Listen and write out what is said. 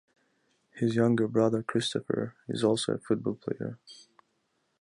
His younger brother Christopher is also a football player.